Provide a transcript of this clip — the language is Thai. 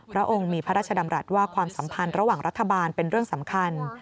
พระองค์มีพระราชดำรัฐว่าความสัมพันธ์ระหว่างรัฐบาลเป็นเรื่องสำคัญ